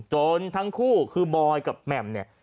ทั้งคู่คือบอยกับแหม่มเนี่ย